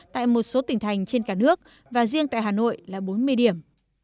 tại một số tỉnh thành trên cả nước và riêng tại hà nội là bốn mươi điểm